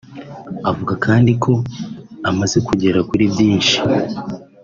Avuga kandi ko amaze kugera kuri byinshi